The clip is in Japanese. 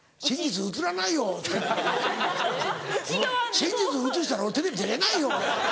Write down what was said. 真実映したらテレビ出れないよ俺。